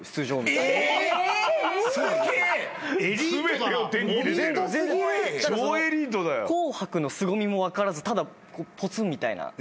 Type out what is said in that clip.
ただその『紅白』のすごみも分からずただぽつんみたいな。